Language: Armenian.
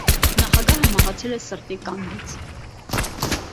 Նախագահը մահացել է սրտի կանգից։